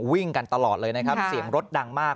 วิ่งกันตลอดเลยนะครับเสียงรถดังมาก